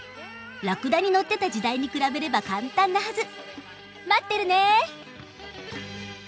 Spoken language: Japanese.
ラクダに乗ってた時代に比べれば簡単なはず。待ってるね！